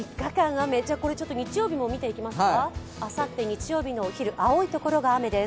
じゃあ、日曜日も見ていきますかあさって日曜日のお昼、青い所が雨です。